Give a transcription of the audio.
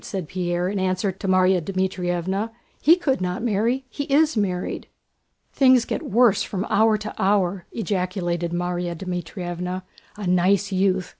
said Pierre, in answer to Márya Dmítrievna. "He could not marry—he is married!" "Things get worse from hour to hour!" ejaculated Márya Dmítrievna. "A nice youth!